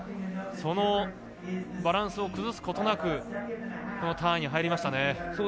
そのバランスを崩すことなくターンに入りましたね。